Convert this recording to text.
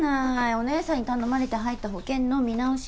お姉さんに頼まれて入った保険の見直しがしたいって。